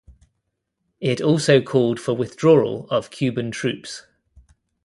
It also called for withdrawal of Cuban troops.